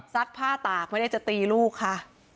ผ้าตากไม่ได้จะตีลูกค่ะ